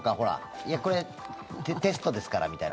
これ、テストですからみたいな。